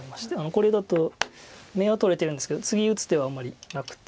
これだと眼は取れてるんですけど次打つ手はあんまりなくて。